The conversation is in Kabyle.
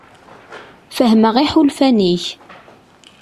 Fehmeɣ iḥulfan-ik.